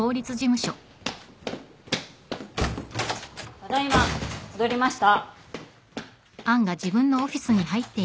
ただ今戻りました。